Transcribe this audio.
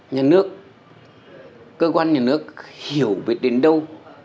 nhà nước cơ quan nhà nước hiểu biết đến đâu